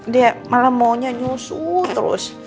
dia malah maunya nyusu terus